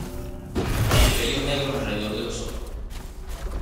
Tiene vellos negros alrededor de los ojos.